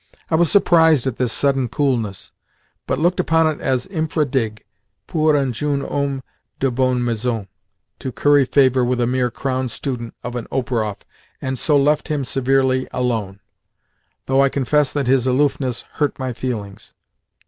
I was surprised at this sudden coolness, but looked upon it as infra dig, "pour un jeune homme de bonne maison" to curry favour with a mere Crown student of an Operoff, and so left him severely alone though I confess that his aloofness hurt my feelings.